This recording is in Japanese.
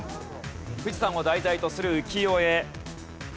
富士山を題材とする浮世絵。